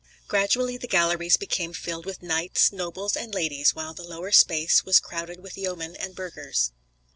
Gradually the galleries became filled with knights, nobles and ladies, while the lower space was crowded with yeomen and burghers.